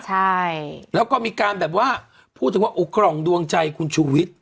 ใช่แล้วก็มีการแบบว่าพูดถึงว่ากล่องดวงใจคุณชูวิทย์